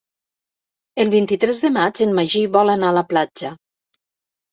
El vint-i-tres de maig en Magí vol anar a la platja.